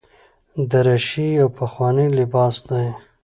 دریشي یو پخوانی لباس دی.